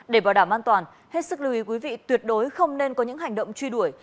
để bảo đảm an toàn hết sức lưu ý quý vị tuyệt đối không nên có những hành động truy đuổi